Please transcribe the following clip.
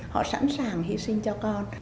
họ sẵn sàng hy sinh cho con